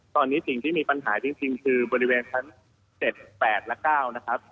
ตอนนี้สิ่งที่มีปัญหาจริงคือบริเวณชั้น๗๘และ๙นะครับ